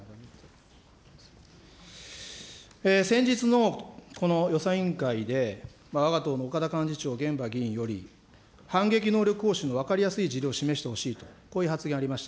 先日のこの予算委員会で、わが党の岡田幹事長、玄葉議員より、反撃能力行使の分かりやすい事例を示してほしいと、こういう発言ありました。